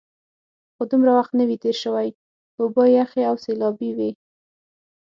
خو دومره وخت نه وي تېر شوی، اوبه یخې او سیلابي وې.